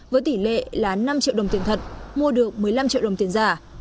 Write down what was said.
với tỷ lệ là năm triệu đồng tiền thật mua được một mươi năm triệu đồng tiền giả